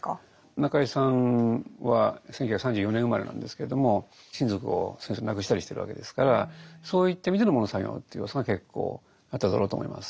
中井さんは１９３４年生まれなんですけれども親族を戦争で亡くしたりしてるわけですからそういった意味での「喪の作業」という要素が結構あっただろうと思います。